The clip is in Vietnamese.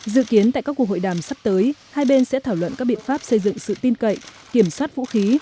dự kiến tại các cuộc hội đàm sắp tới hai bên sẽ thảo luận các biện pháp xây dựng sự tin cậy kiểm soát vũ khí